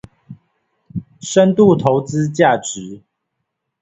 深度投資價值